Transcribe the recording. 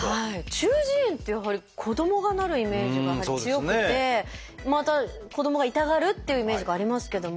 中耳炎ってやはり子どもがなるイメージが強くてまた子どもが痛がるっていうイメージがありますけども。